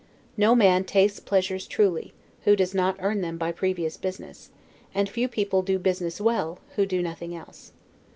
No man tastes pleasures truly, who does not earn them by previous business, and few people do business well, who do nothing else.